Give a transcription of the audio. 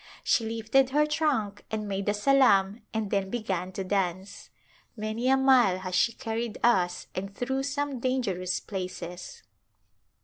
She lifted her trunk and made a salam and then began to dance. Many a mile has she carried us and through some dangerous places.